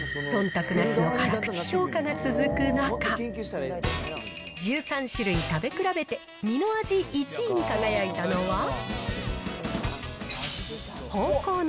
そんたくなしの辛口評価が続く中、１３種類食べ比べて、身の味１位に輝いたのは。